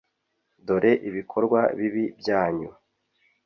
dore ibikorwa bibi byanyu!